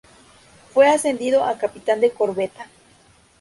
Fue ascendido a capitán de corbeta.